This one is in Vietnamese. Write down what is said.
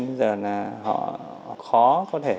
bây giờ là họ khó